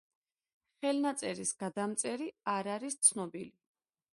ხელნაწერის გადამწერი არ არის ცნობილი.